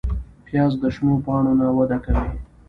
پیاز د شنو پاڼو نه وده کوي